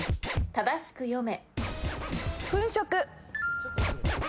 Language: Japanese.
正しく読め。